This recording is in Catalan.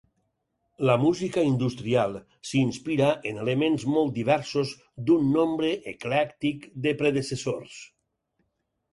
La música industrial s'inspira en elements molt diversos d'un nombre eclèctic de predecessors.